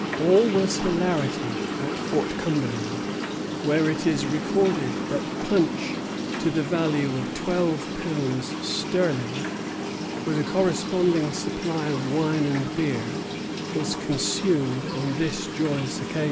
All was hilarity at Fort Cumberland, where it is recorded that punch to the value of twelve pounds sterling, with a corresponding supply of wine and beer, was consumed on this joyous occasion.